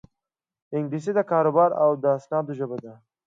انګلیسي د کاروبار د اسنادو ژبه ده